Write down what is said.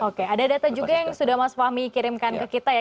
oke ada data juga yang sudah mas fahmi kirimkan ke kita ya